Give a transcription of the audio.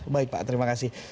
baik pak terima kasih